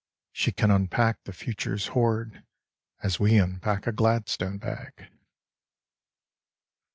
She can unpack the future's hoard As we unpack a Gladstone bag.